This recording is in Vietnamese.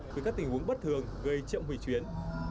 với các tình huống bất thường gây chậm hủy chuyến